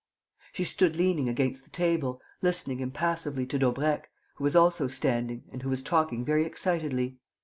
She stood leaning against the table, listening impassively to Daubrecq, who was also standing and who was talking very excitedly.